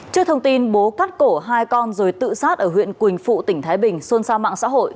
trước thông tin bố cắt cổ hai con rồi tự sát ở huyện quỳnh phụ tỉnh thái bình xôn xa mạng xã hội